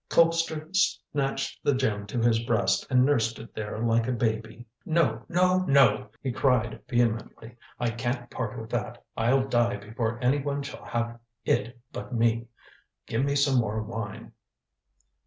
Colpster snatched the gem to his breast and nursed it there like a baby. "No! no! no!" he cried vehemently. "I can't part with that. I'll die before anyone shall have it but me. Give me more wine."